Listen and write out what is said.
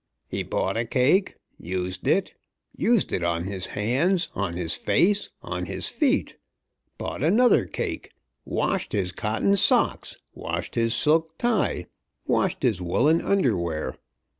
He bought a cake. Used it. Used it on his hands, on his face, on his feet. Bought another cake washed his cotton socks, washed his silk tie, washed his woollen underwear.